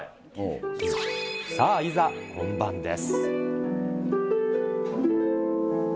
さあ、いざ本番です。